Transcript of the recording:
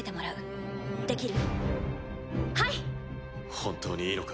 本当にいいのか？